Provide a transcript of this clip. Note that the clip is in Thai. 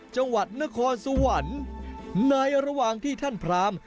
จังหวัดนครสวรรค์ในระหว่างที่ท่านพราม